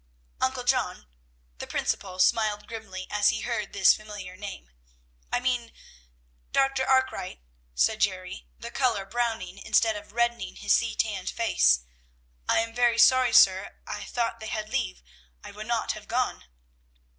Uncle John (the principal smiled grimly as he heard this familiar name), I mean Dr. Arkwright," said Jerry, the color browning, instead of reddening his sea tanned face, "I am very sorry, sir; I thought they had leave; I would not have gone."